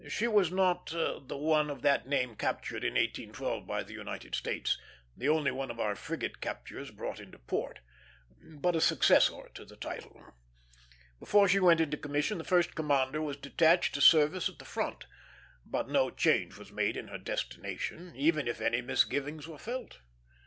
She was not the one of that name captured in 1812 by the United States, the only one of our frigate captures brought into port, but a successor to the title. Before she went into commission, the first commander was detached to service at the front; but no change was made in her destination, even if any misgivings were felt.